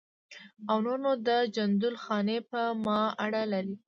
او نور نو د جندول خاني په ما اړه لري.